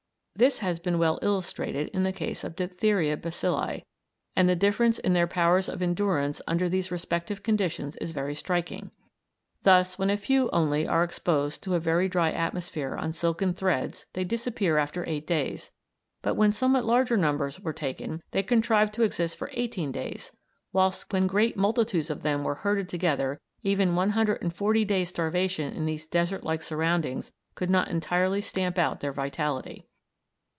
This has been well illustrated in the case of diphtheria bacilli, and the difference in their powers of endurance under these respective conditions is very striking. Thus when a few only were exposed to a very dry atmosphere on silken threads they disappeared after eight days; but when somewhat larger numbers were taken they contrived to exist for eighteen days, whilst when great multitudes of them were herded together even one hundred and forty days' starvation in these desert like surroundings could not entirely stamp out their vitality.